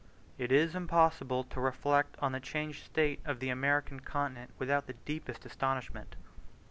It is impossible to reflect on the changed state of the American continent without the deepest astonishment.